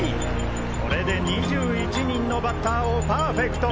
これで２１人のバッターをパーフェクト！